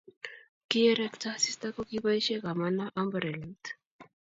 kiyerekto asista ko kiboishe kamanoo amburelait